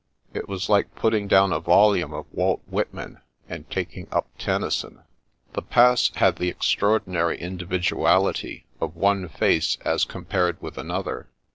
It was like putting down a volume of Walt Whitman, and taking up Tennyson. The Pass had the extraordinary individuality of one face as compared with another.